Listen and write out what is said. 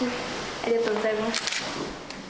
ありがとうございます。